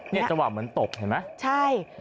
นี่จังหวะเหมือนตกเห็นไหม